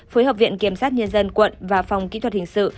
phối hợp viện kiểm sát nhân dân quận và phòng kỹ thuật hình sự